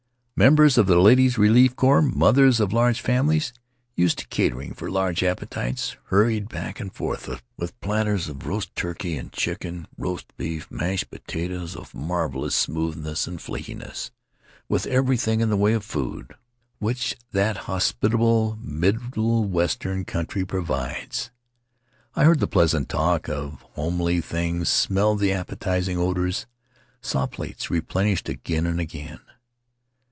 Members of the Ladies' Relief Corps — mothers of large families, used to catering for large appetites — hurried back and forth with platters of roast turkey and chicken, roast beef, mashed potatoes of marvelous smoothness and flakiness — with every thing in the way of food which that hospitable Middle Western country provides. I heard the pleasant talk of homely things, smelled the appetizing odors, saw plates replenished again and again.